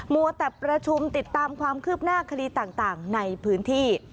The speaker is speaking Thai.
มัวแต่ประชุมติดตามความคืบหน้าคดีต่างในพื้นที่